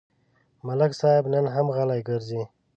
ملک صاحب نن هم غلی ګرځي.